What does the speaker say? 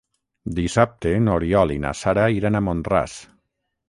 Dissabte n'Oriol i na Sara iran a Mont-ras.